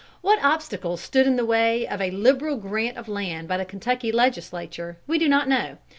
What obstacle stood in the way of a liberal grant of land by the Kentucky Legislature we do not know.